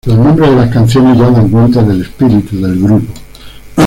Los nombres de las canciones ya dan cuenta del espíritu del grupo.